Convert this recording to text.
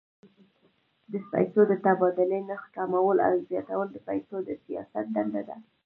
د پیسو د تبادلې نرخ کمول او زیاتول د پیسو د سیاست دنده ده.